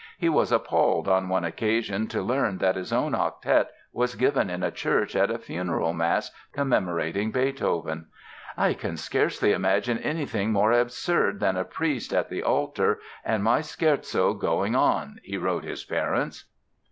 He was appalled on one occasion to learn that his own Octet was given in a church at a funeral mass commemorating Beethoven. "I can scarcely imagine anything more absurd than a priest at the altar and my Scherzo going on", he wrote his parents.